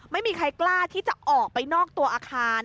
ไม่มีใครกล้าที่จะออกไปนอกตัวอาคาร